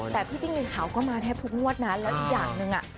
แต่พี่จิ้งหนึ่งเขาก็มาแทบทุกงวดนะแล้วอีกอย่างหนึ่งอ่ะ